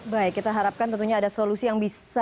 baik kita harapkan tentunya ada solusi yang bisa